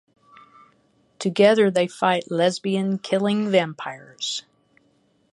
Together they fight lesbian-killing vampires.